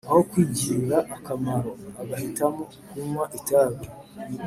Aho kwigirira akamaro, agahitamo kunywa itabi